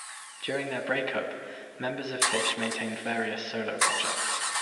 During their break-up, members of Phish maintained various solo projects.